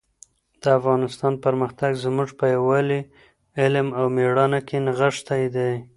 د افغانستان پرمختګ زموږ په یووالي، علم او مېړانه کې نغښتی دی.